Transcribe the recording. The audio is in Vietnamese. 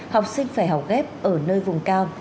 học sinh phải học ghép ở nơi vùng cao